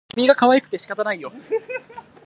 君がかわいくて仕方がないよ